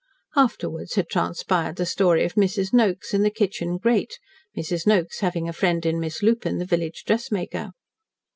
Afterwards had transpired the story of Mrs. Noakes, and the kitchen grate, Mrs. Noakes having a friend in Miss Lupin, the village dressmaker.